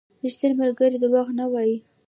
• ریښتینی ملګری دروغ نه وايي.